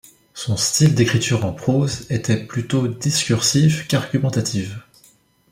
Son style d’écriture en prose était plutôt discursive qu’argumentative.